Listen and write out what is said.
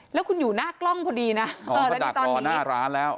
แล้วคุณอยู่หน้ากล้องเท่านี้นะอ๋อเขาถากรถหน้าร้านแล้ว